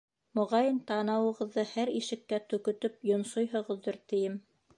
Моғайын, танауығыҙҙы һәр ишеккә төкөтөп йонсойһоғоҙҙор, тием.